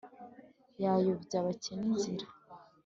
bayobya abakene inzira,